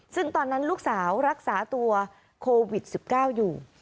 ซึ่งตอนนั้นลูกสาวรักษาตัวโควิด๑๙อยู่